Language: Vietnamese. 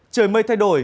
trời mây thay đổi